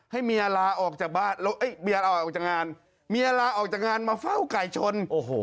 ให้เมียลาออกจากงานมาเฝ้าไก่ชน